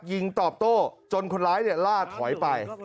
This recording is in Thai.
ยิงตอบโต้จนคนร้ายล่าถอยไป